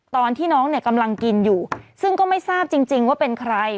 ตอนที่น้องเนี่ยกำลังกินอยู่ซึ่งก็ไม่ทราบจริงว่าเป็นใคร